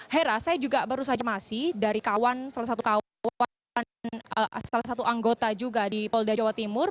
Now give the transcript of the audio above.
hera saya juga baru saja masih dari kawan salah satu kawan salah satu anggota juga di polda jawa timur